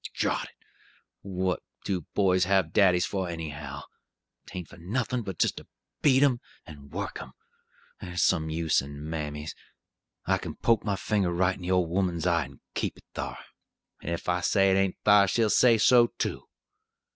'Drot it! what do boys have daddies for anyhow? 'Tain't for nuthin' but jist to beat 'em and work 'em. There's some use in mammies. I kin poke my finger right in the old 'oman's eye, and keep it thar; and if I say it ain't thar, she'll say so, too.